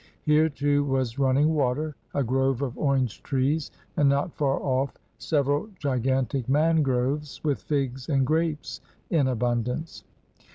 Here, too, was running water, a grove of orange trees, and not far off several gigantic mangroves, with figs and grapes in abundance.